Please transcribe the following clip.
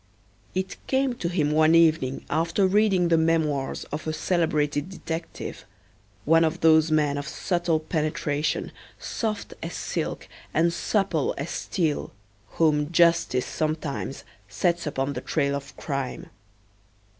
It came to him one evening after reading the memoirs of a celebrated detective, one of those men of subtle penetration, soft as silk, and supple as steel, whom justice sometimes sets upon the trail of crime.